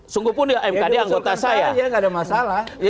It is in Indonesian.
sungguhpun di mkd anggota saya